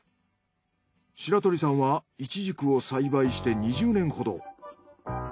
白鳥さんはイチジクを栽培して２０年ほど。